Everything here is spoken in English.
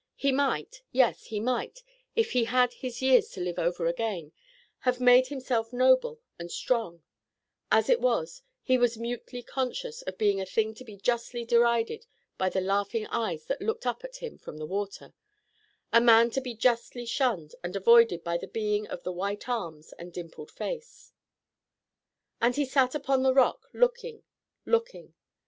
He might yes, he might, if he had his years to live over again, have made himself noble and strong; as it was, he was mutely conscious of being a thing to be justly derided by the laughing eyes that looked up at him from the water, a man to be justly shunned and avoided by the being of the white arms and dimpled face. And he sat upon the rock looking, looking.